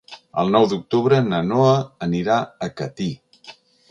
El nou d'octubre na Noa anirà a Catí.